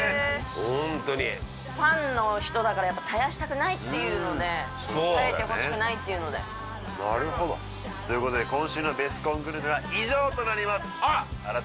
ホントにファンの人だからやっぱ絶やしたくないっていうのでそう絶えてほしくないっていうのでなるほどということで今週のベスコングルメは以上となりますあら！